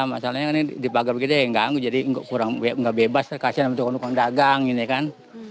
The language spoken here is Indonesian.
masalahnya kan ini di pagar begitu ya yang ganggu jadi kurang gak bebas lah kasihan sama tukang tukang dagang ini kan